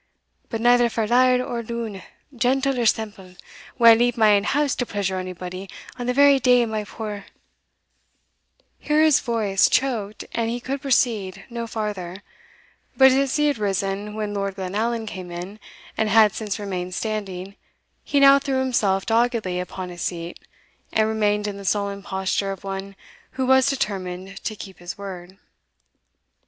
But neither for laird or loon, gentle or semple, will I leave my ain house to pleasure onybody on the very day my poor" Here his voice choked, and he could proceed no farther; but as he had risen when Lord Glenallan came in, and had since remained standing, he now threw himself doggedly upon a seat, and remained in the sullen posture of one who was determined to keep his word.